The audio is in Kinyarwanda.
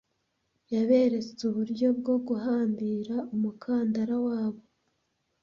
Yaberetse uburyo bwo guhambira umukandara wabo.